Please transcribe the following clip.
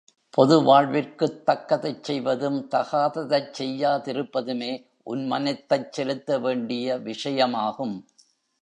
பொது வாழ்விற்குத் தக்கதைச் செய்வதும் தகாததைச் செய்யாதிருப்பதுமே உன் மனத்தைச் செலுத்தவேண்டிய விஷயமாகும்.